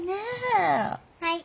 はい。